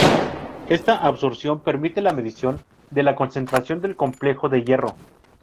Esta absorción permite la medición de la concentración del complejo de hierro.